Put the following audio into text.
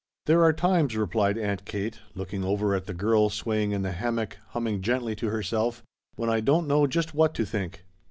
"There are times," replied Aunt Kate, looking over at the girl swaying in the hammock, humming gently to herself, "when I don't know just what to think."